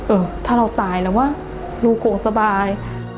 เออถ้าเราตายแล้ววะลูกคงสบาย